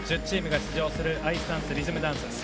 １０チームが出場するアイスダンスのリズムダンス。